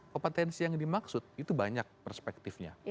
kompetensi yang dimaksud itu banyak perspektifnya